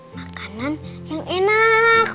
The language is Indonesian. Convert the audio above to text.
makanan yang enak